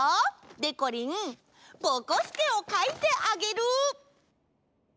でこりんぼこすけをかいてあげる！